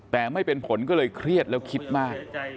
แต่ไม่เป็นผลก็เลยเครียดแล้วคิดมาก